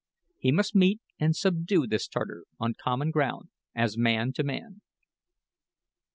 He must meet and subdue this Tartar on common ground as man to man.